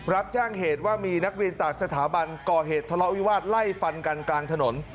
รับแจ้งเหตุว่ามีนักเรียนต่างสถาบันก่อเหตุทะเลาะวิวาสไล่ฟันกันกลางถนน